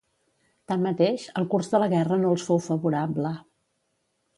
Tanmateix, el curs de la guerra no els fou favorable.